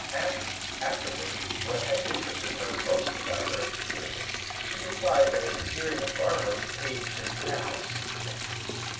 Asked afterward what had interested her most about her experience, she replied that it was hearing the farmer "page his cows!"